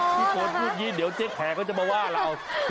พี่โฟนพูดยิ่งเดี๋ยวเจ๊แขกเขาจะมาว่าเรา